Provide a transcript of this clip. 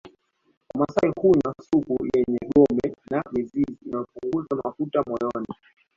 Wamasai hunywa supu yenye gome na mizizi inayopunguza mafuta moyoni